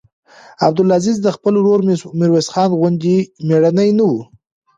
عبدالعزیز د خپل ورور میرویس خان غوندې مړنی نه و.